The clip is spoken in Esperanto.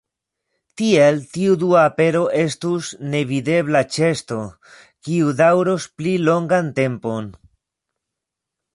Tiel tiu Dua Apero estus nevidebla ĉeesto, kiu daŭros pli longan tempon.